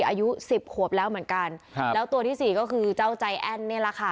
อายุสิบขวบแล้วเหมือนกันครับแล้วตัวที่สี่ก็คือเจ้าใจแอ้นเนี่ยแหละค่ะ